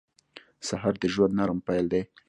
سهار د ژوند نرم پیل دی.